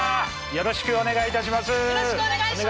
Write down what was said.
よろしくお願いします！